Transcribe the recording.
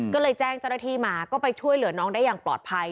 ก็เลยแจ้งเจ้าหน้าที่มาก็ไปช่วยเหลือน้องได้อย่างปลอดภัย